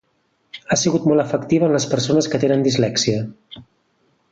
Ha sigut molt efectiva en les persones que tenen dislèxia.